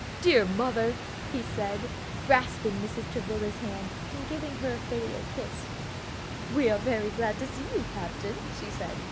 "Dear mother!" he said, grasping Mrs. Travilla's hand, then giving her a filial kiss. "We are very glad to see you, captain," she said.